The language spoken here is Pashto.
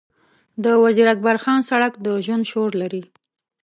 د وزیر اکبرخان سړک د ژوند شور لري.